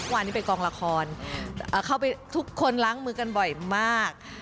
วันนี้ไปกองละครเข้าไปทุกคนล้างมือกันบ่อยมาก